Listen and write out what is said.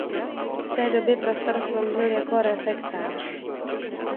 V té době prostor sloužil jako refektář.